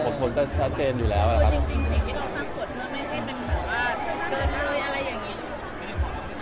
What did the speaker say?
เป็นสิ่งที่ต้องทำกฎเพราะไม่ได้เป็นแบบว่าเกินเลยอะไรอย่างนี้